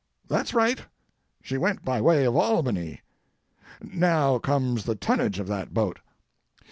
That's right. She went by way of Albany. Now comes the tonnage of that boat.